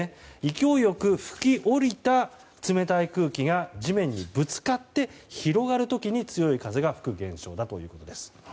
勢いよく吹き降りた冷たい空気が地面にぶつかって広がる時に強い風が吹く現象ということです。